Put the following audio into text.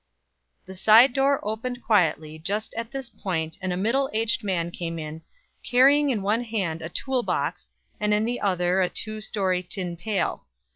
The side door opened quietly just at this point and a middle aged man came in, carrying in one hand a tool box, and in the other a two story tin pail.